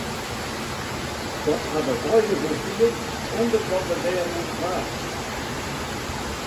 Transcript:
Dat ha we beide wol field sonder dat we dêroer praten ha.